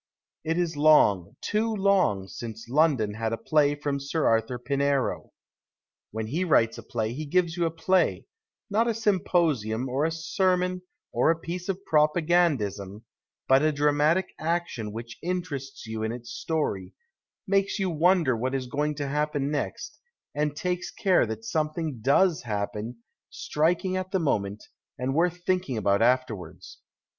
It is long, too long, since London had a play from Sir Arthur Pinero. When he writes a play he gives you a play, not a symposiimi or a sermon or a piece of propagandism, but a dramatic action which interests you in its story, makes you wonder what is going to happen next, and takes care that something does happen, striking at the moment and worth 188 A THEATRICAL FORECAST thinking about afterwards.